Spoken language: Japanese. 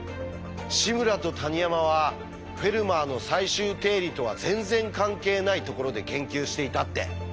志村と谷山は「フェルマーの最終定理」とは全然関係ないところで研究していたって。